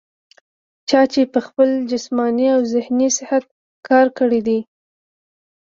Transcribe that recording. چا چې پۀ خپل جسماني او ذهني صحت کار کړے دے